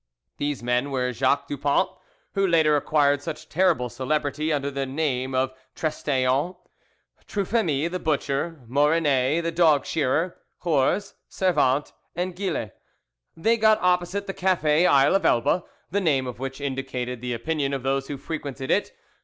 These men were Jacques Dupont, who later acquired such terrible celebrity under the name of Trestaillons, Truphemy the butcher, Morenet the dog shearer, Hours, Servant, and Gilles. They got opposite the cafe "Isle of Elba," the name of which indicated the opinion of those who frequented it.